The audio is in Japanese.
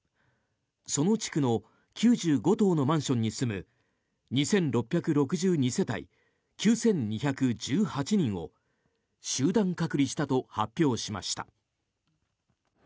その地区の９５棟のマンションに住む２６６２世帯９２１８人を集団隔離したと発表しました。